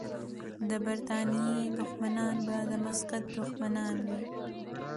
د برتانیې دښمنان به د مسقط دښمنان وي.